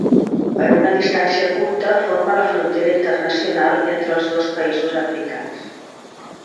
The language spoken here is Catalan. Per una distància curta, forma la frontera internacional entre els dos països africans.